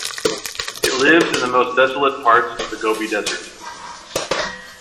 It lives in the most desolate parts of the Gobi Desert.